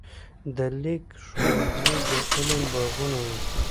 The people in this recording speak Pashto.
د لیک ښوونځي د علم باغونه وو.